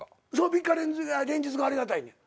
３日連日がありがたい。